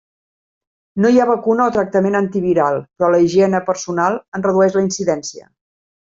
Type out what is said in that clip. No hi ha vacuna o tractament antiviral però la higiene personal en redueix la incidència.